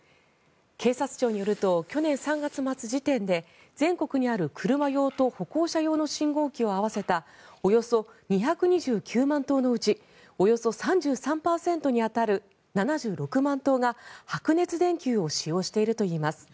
警察庁によると去年３月末時点で全国にある、車用と歩行者用の信号機を合わせたおよそ２２９万灯のうちおよそ３３％に当たる７６万灯が白熱電球を使用しているといいます。